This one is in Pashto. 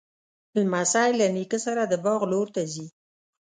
لمسی له نیکه سره د باغ لور ته ځي.